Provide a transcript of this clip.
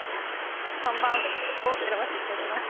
３番を選ばせていただきます